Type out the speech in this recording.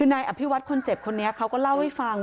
ในอภิวัฒน์คนเจ็บคนนี้เขาก็เล่าให้ฟัง